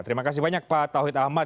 terima kasih banyak pak tauhid ahmad